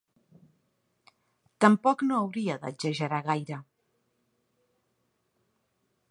Tampoc no hauria d'exagerar gaire.